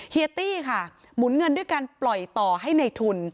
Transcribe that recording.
เฮี้ค่ะหมุนเงินด้วยการปล่อยต่อให้ในทุน